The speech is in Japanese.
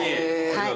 はい。